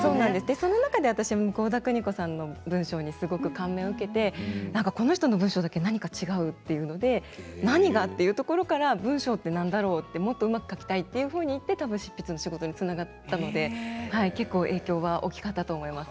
その中で向田邦子さんの文章に感銘を受けてこの人の文章だけ何か違う何が？っていうところから文章って何だろう、もっとうまく書きたいって、執筆の仕事につながったので影響が大きかったと思います。